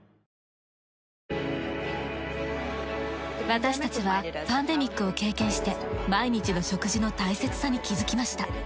私たちはパンデミックを経験して毎日の食事の大切さに気づきました。